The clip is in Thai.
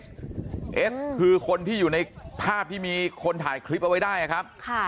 เอสคือคนที่อยู่ในภาพที่มีคนถ่ายคลิปเอาไว้ได้นะครับ